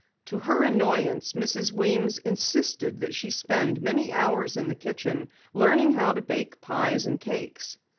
To her annoyance, Mrs. Weems insisted that she spend many hours in the kitchen, learning how to bake pies and cakes.